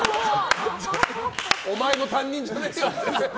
お前の担任じゃねえよって。